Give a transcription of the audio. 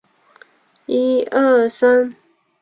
但严打的作用范围是有限的。